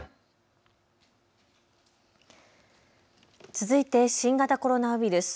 続いて新型コロナウイルス。